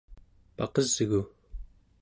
paqesgu